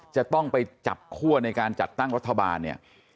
จะต้องไปจับคั่วในการจัดตั้งรัฐบาลเนี่ย